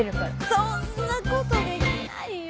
そんなことできないよ。